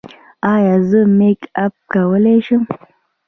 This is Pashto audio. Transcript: ایا زه میک اپ کولی شم؟